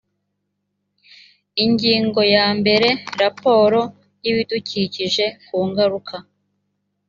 ingingo ya mbere raporo y ibidukikije ku ngaruka